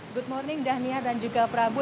good morning dhaniar dan juga prabu